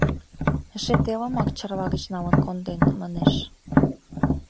Эше телымак Чарла гыч налын конден, манеш.